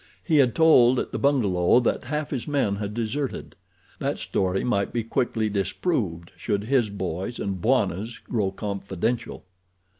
He had told at the bungalow that half his men had deserted. That story might be quickly disproved should his boys and Bwana's grow confidential.